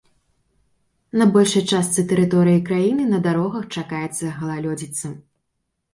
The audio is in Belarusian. На большай частцы тэрыторыі краіны на дарогах чакаецца галалёдзіца.